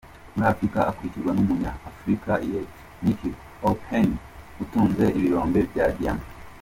Muri Afurika akurikirwa n’ Umunya- Afurika y’ Epfo, Nicky Oppenheimer utunze ibirombe bya diyama.